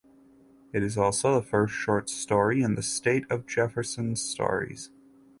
It is also the first short story in the State of Jefferson Stories.